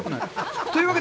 というわけで。